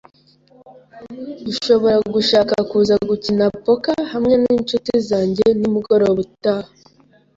Urashobora gushaka kuza gukina poker hamwe ninshuti zanjye nimugoroba utaha.